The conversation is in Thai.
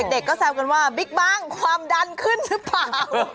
เด็กก็แซวกันว่าบิ๊กบ้างความดันขึ้นหรือเปล่า